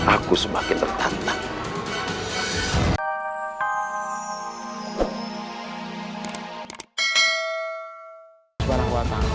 aku sebagai pertantang